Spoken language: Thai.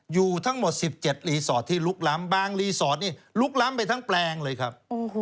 อยู่ทั้งหมด๑๗รีสอร์ทที่ลุกล้ำบางรีสอร์ทนี่ลุกล้ำไปทั้งแปลงเลยครับ